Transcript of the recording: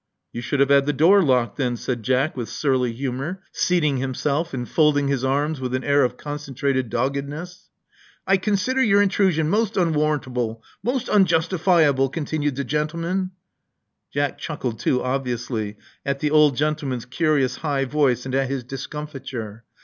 "You should have had the door locked then," said Jack, with surly humor, seating himself, and folding his arms with an air of concentrated doggedness. "I — I consider your intrusion most unwarrantable — most unjustifiable," continued the the gentleman. Jack chuckled too obviously, at the old gentleman's curious high voice and at his discomfiture.